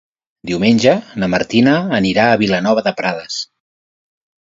Diumenge na Martina anirà a Vilanova de Prades.